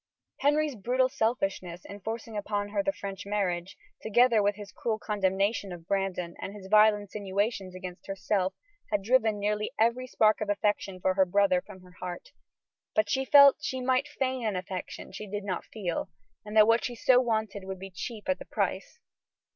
Henry's brutal selfishness in forcing upon her the French marriage, together with his cruel condemnation of Brandon, and his vile insinuations against herself, had driven nearly every spark of affection for her brother from her heart. But she felt that she might feign an affection she did not feel, and that what she so wanted would be cheap at the price.